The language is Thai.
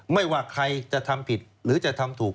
ไม่ว่าใครจะทำผิดหรือจะทำถูก